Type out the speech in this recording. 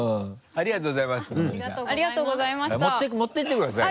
ありがとうございます。